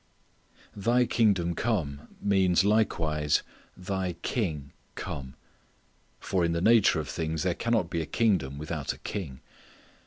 "Thy kingdom come" means likewise "Thy king come," for in the nature of things there cannot be a kingdom without a king.